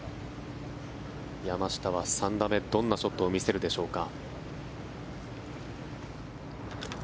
山下は３打目、どんなショットを見せるでしょうか。